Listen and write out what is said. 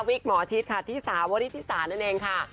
วิกหมอชิดที่สาววริธิศาสตร์นั่นเองค่ะ